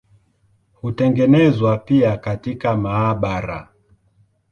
Hutengenezwa pia katika maabara.